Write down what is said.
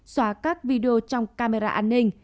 xóa các video trong camera an ninh